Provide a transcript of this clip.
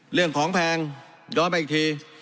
เรื่องของแพงย้อนไปอีกที